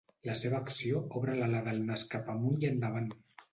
La seva acció obre l'ala del nas cap amunt i endavant.